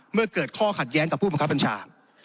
เมื่อเกิดข้อขัดแย้งกับผู้บังคับบัญชา